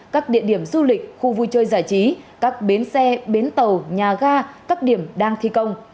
các địa điểm du lịch khu vui chơi giải trí các bến xe bến tàu nhà ga các điểm đang thi công